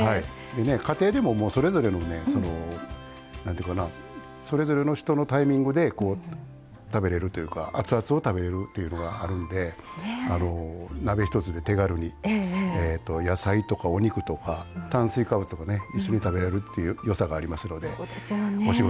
家庭でもそれぞれの人のタイミングで食べれるというかアツアツを食べれるっていうのがあるので鍋一つで手軽に野菜とかお肉とか炭水化物とか一緒に食べられるっていうよさがありますのでお仕事